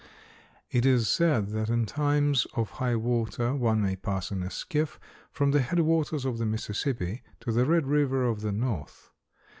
It is said that in times of high water one may pass in a skiff from the head waters of the Mississippi to the Red River of the North.